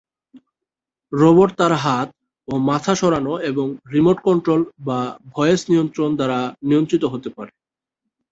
Robot তার হাত ও মাথা সরানো এবং রিমোট কন্ট্রোল বা ভয়েস নিয়ন্ত্রণ দ্বারা নিয়ন্ত্রিত হতে পারে।